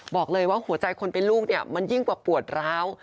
บอกเลยว่าหัวใจคนเป็นลูกเนี่ยมันยิ่งกว่าปวดร้าว